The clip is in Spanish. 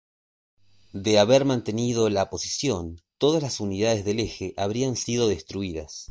De haber mantenido la posición, todas las unidades del Eje habrían sido destruidas.